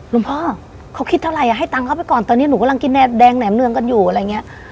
หลวงพ่อเขาคิดเท่าไรให้ตังค์เข้าไปก่อนตอนนี้หนูกำลังกินแดงแหลมเนืองกันอยู่อะไรอย่างเงี้ย